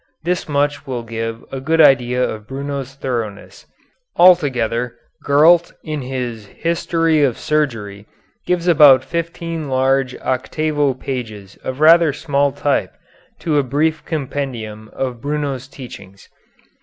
This much will give a good idea of Bruno's thoroughness. Altogether, Gurlt, in his "History of Surgery," gives about fifteen large octavo pages of rather small type to a brief compendium of Bruno's teachings.